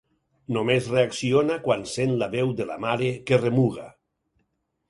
Només reacciona quan sent la veu de la mare que remuga.